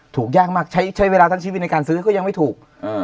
ยากมากใช้เวลาทั้งชีวิตในการซื้อก็ยังไม่ถูก